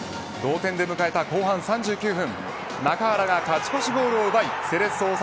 同点で迎えた後半３９分中原が勝ち越しゴールを奪いセレッソ